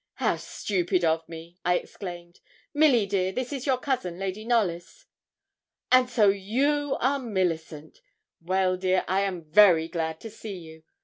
'How stupid of me,' I exclaimed. 'Milly, dear, this is your cousin, Lady Knollys.' 'And so you are Millicent. Well, dear, I am very glad to see you.'